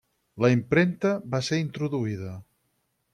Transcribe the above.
La impremta va ser introduïda.